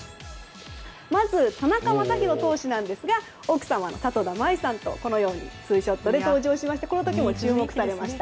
まず、田中将大投手ですが奥様の里田まいさんとツーショットで登場しましてこの時も注目されました。